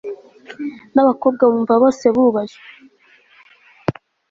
n'abakobwa bumva bose bubashywe